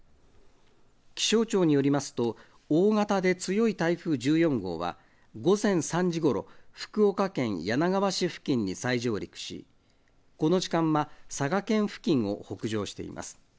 気象庁によりますと、大型で強い台風１４号は午前３時頃、福岡県柳川市付近に再上陸し、この時間は佐賀県付近を北上しています。